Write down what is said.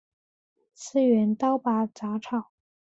次元刀拔杂草